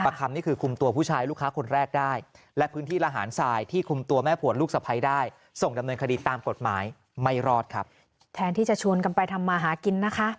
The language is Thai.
ปากคำนี่คือคุมตัวผู้ชายลูกค้าคนแรกได้